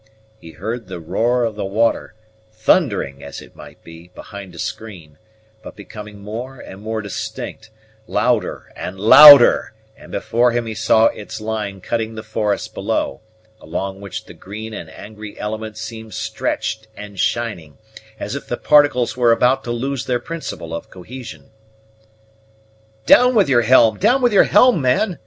He heard the roar of the water, thundering, as it might be, behind a screen, but becoming more and more distinct, louder and louder, and before him he saw its line cutting the forest below, along which the green and angry element seemed stretched and shining, as if the particles were about to lose their principle of cohesion. "Down with your helm, down with your helm, man!"